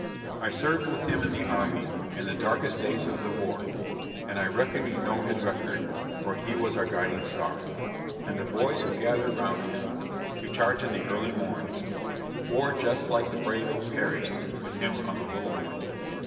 I served with him in the army, In the darkest days of the war: And I reckon ye know his record, For he was our guiding star; And the boys who gathered round him To charge in the early morn, War just like the brave who perished With him on the Little Horn.